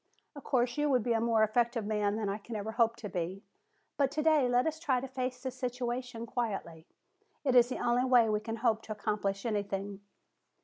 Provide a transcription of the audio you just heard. Of course, you would be a more effective man than I can ever hope to be. But today let us try to face the situation quietly. It is the only way we can hope to accomplish anything."